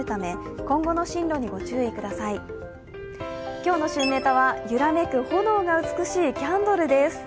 今日の旬ネタは、揺らめく炎が美しいキャンドルです。